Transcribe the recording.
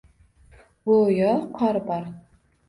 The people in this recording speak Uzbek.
Go’yo qor bor